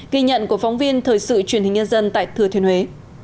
ghi nhận của phóng viên thời sự truyền hình nhân dân tại thừa thiên huế